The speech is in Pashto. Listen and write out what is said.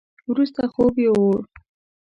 وروسته خوب يوووړ.